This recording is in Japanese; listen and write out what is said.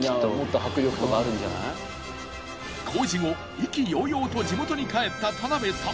工事後意気揚々と地元に帰った田邊さん。